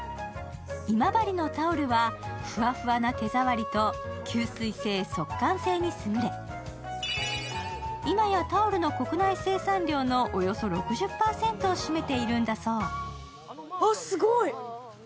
今治のタオルはフワフワな手触りと吸水性・速乾性にすぐれ、今やタオルの国内生産量のおよそ６０％を占めているんだそう。